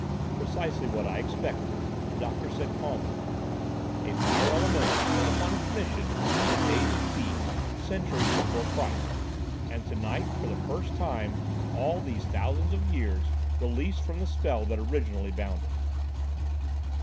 "Precisely what I expected," the doctor said calmly; "a fire elemental sent upon its mission in the days of Thebes, centuries before Christ, and tonight, for the first time all these thousands of years, released from the spell that originally bound it."